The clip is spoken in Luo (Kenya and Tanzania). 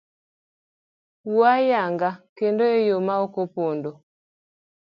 Wuo ayanga kendo eyo ma okopondo.